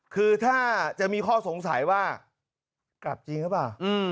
คือถ้าจะมีข้อสงสัยว่ากลับจริงหรือเปล่า